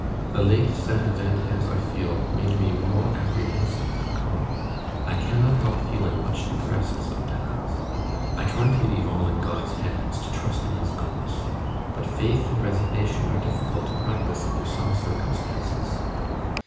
The late sad event has, I feel, made me more apprehensive than common. I cannot help feeling much depressed sometimes. I try to leave all in God's hands; to trust in His goodness; but faith and resignation are difficult to practise under some circumstances.